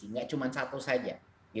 tidak cuma satu saja